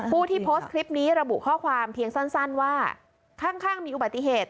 ผู้ที่โพสต์คลิปนี้ระบุข้อความเพียงสั้นว่าข้างมีอุบัติเหตุ